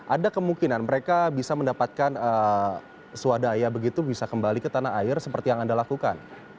ada kemungkinan mereka bisa mendapatkan swadaya begitu bisa kembali ke tanah air seperti yang anda lakukan